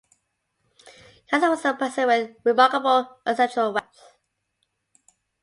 Cassius was a person with remarkable ancestral wealth.